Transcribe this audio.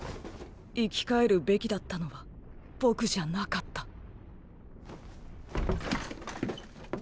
生き返るべきだったのは僕じゃなかった。